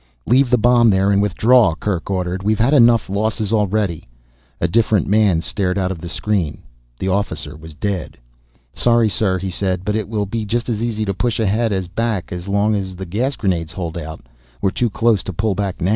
"Leave the bomb there and withdraw," Kerk ordered. "We've had enough losses already." A different man stared out of the screen. The officer was dead. "Sorry, sir," he said, "but it will be just as easy to push ahead as back as long as the gas grenades hold out. We're too close now to pull back."